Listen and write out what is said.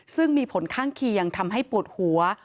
ซึ่งมีผลข้างเคียงทำให้ปวดหัว